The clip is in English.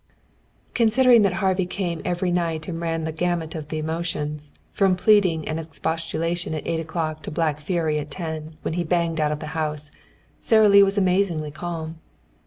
_" Considering that Harvey came every night and ran the gamut of the emotions, from pleading and expostulation at eight o'clock to black fury at ten, when he banged out of the house, Sara Lee was amazingly calm.